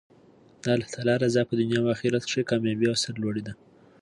د الله تعالی رضاء په دنیا او اخرت کښي کاميابي او سر لوړي ده.